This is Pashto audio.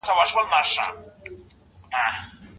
کله چي اثر څېړئ زمانه په پام کي ونیسئ.